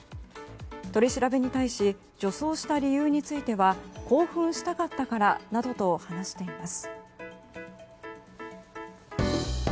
取り調べに対し女装した理由については興奮したかったからなどと話しています。